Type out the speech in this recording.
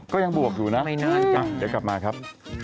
ก็ยังบวกอยู่นะเดี๋ยวกลับมาครับ